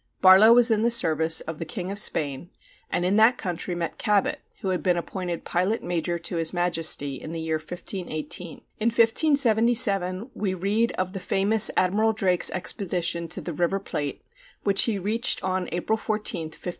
Barlow was in the service of the king of Spain, and in that country met Cabot, who had been appointed Pilot Major to his Majesty in the year 1518. In 1577 we read of the famous Admiral Drake's expedition to the River Plate, which he reached on April 14, 1578.